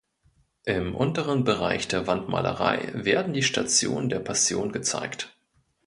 Im unteren Bereich der Wandmalerei werden die Stationen der Passion gezeigt.